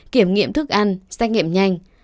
kiểm nghiệm thức ăn xét nghiệm nhanh